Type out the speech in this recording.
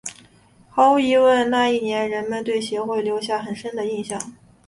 毫无疑问那一年人们对协会留下了很深的印象。